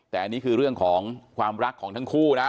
แต่อันนี้คือเรื่องของความรักของทั้งคู่นะ